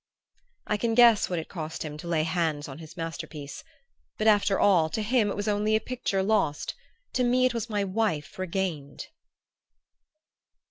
"I can guess what it cost him to lay hands on his masterpiece; but, after all, to him it was only a picture lost, to me it was my wife regained!"